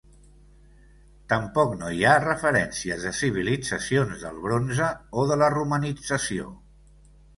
Tampoc no hi ha referències de civilitzacions del Bronze o de la romanització.